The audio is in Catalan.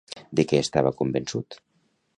De què estava convençut?